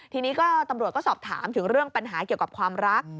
ทีนี้ก็ตำรวจก็สอบถามถึงเรื่องปัญหาเกี่ยวกับความรัก